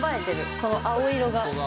この青色が。